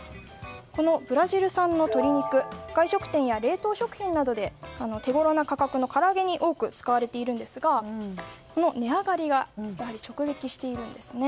このブラジル産の鶏肉外食店や冷凍食品などで手ごろな価格のから揚げに多く使われているんですがこの値上がりが直撃しているんですね。